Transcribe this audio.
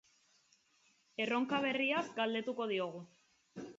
Erronka berriaz galdetuko diogu.